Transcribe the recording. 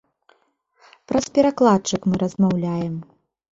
Праз перакладчык мы размаўляем.